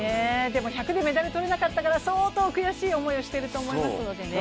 でも、１００でメダル取れなかったから相当悔しい思いをしてると思いますのでね。